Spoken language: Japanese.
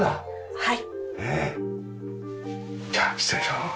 はい。